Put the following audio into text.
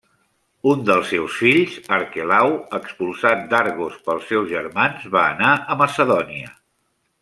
Un dels seus fills, Arquelau, expulsat d'Argos pels seus germans, va anar a Macedònia.